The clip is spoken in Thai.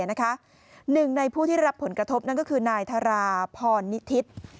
หนึ่งในผู้ที่รับผลกระทบนั่นก็คือนายธาราพรนิทิศ